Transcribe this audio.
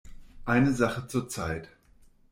Eine Sache zur Zeit.